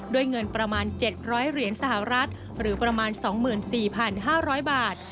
ด้วยเงินประมาณ๗๐๐เหรียญสหรัฐหรือประมาณ๒๔๕๐๐บาท